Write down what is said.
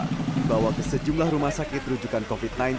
dibawa ke sejumlah rumah sakit rujukan covid sembilan belas